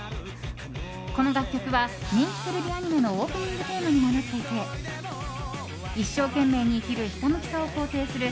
この楽曲は人気テレビアニメのオープニングテーマにもなっていて一生懸命に生きるひたむきさを肯定する